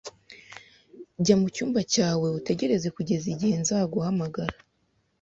Jya mucyumba cyawe utegereze kugeza igihe nzaguhamagara.